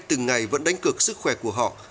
từng ngày vẫn đánh cực sức khỏe của họ